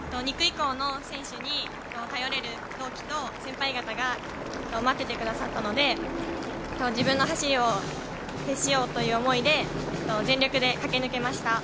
２区以降の選手に頼れる同期と先輩方が待っててくださったので、自分の走りをしようという思いで全力で駆け抜けました。